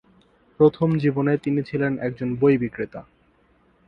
প্রথম জীবনে তিনি ছিলেন একজন বই বিক্রেতা।